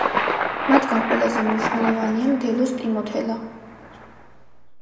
მათგან ყველაზე მნიშვნელოვანია მდელოს ტიმოთელა.